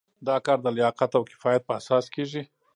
دا کار د لیاقت او کفایت په اساس کیږي.